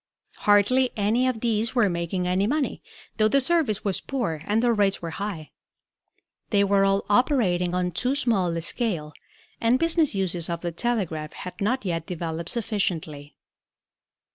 Hardly any of these were making any money, though the service was poor and the rates were high. They were all operating on too small a scale and business uses of the telegraph had not yet developed sufficiently.